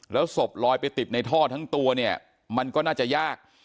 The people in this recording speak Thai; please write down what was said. แล้วศพลอยไปติดในท่อทั้งตัวเนี่ยมันก็น่าจะยาก